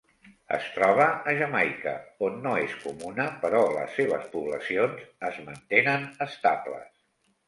Es troba a Jamaica, on no és comuna però les seves poblacions es mantenen estables.